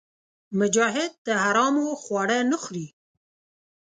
مجاهد د حرامو خواړه نه خوري.